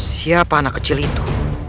siapa anak kecil itu